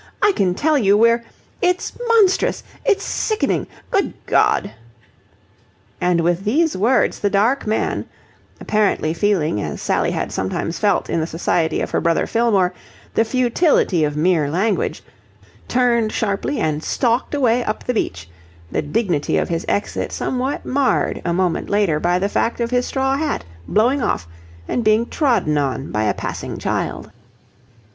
I can tell you we're... it's monstrous! It's sickening! Good God!" And with these words the dark man, apparently feeling, as Sally had sometimes felt in the society of her brother Fillmore, the futility of mere language, turned sharply and stalked away up the beach, the dignity of his exit somewhat marred a moment later by the fact of his straw hat blowing off and being trodden on by a passing child.